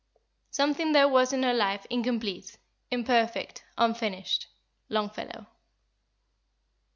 "Something there was in her life incomplete, imperfect, unfinished." LONGFELLOW.